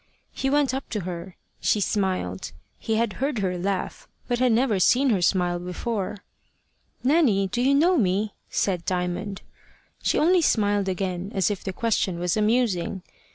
He went up to her. She smiled. He had heard her laugh, but had never seen her smile before. "Nanny, do you know me?" said Diamond. She only smiled again, as if the question was amusing.